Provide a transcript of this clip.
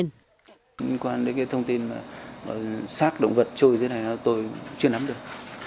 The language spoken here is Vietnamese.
nhân quan đến cái thông tin sát động vật trôi dưới này tôi chưa nắm được